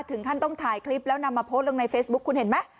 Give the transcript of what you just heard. ถึงขั้นต้องถ่ายคลิปแล้วนำมาโพสต์ลงในเฟซบุ๊คคุณเห็นไหม